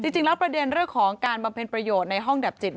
จริงแล้วประเด็นเรื่องของการบำเพ็ญประโยชน์ในห้องดับจิต